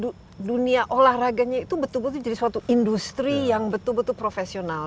dan dunia olahraganya itu betul betul jadi suatu industri yang betul betul profesional